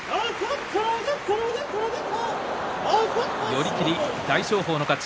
寄り切り大翔鵬の勝ち。